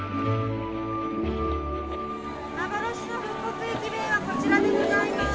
幻の復刻駅弁はこちらでございます。